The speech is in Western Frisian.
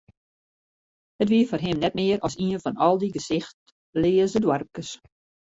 It wie foar him net mear as ien fan al dy gesichtleaze doarpkes.